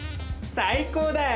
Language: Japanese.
最高だよ！